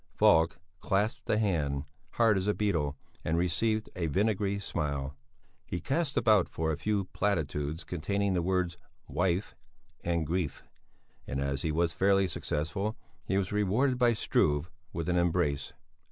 Falk clasped a hand, hard as a beetle, and received a vinegary smile. He cast about for a few platitudes containing the words "wife" and "grief," and as he was fairly successful, he was rewarded by Struve with an embrace.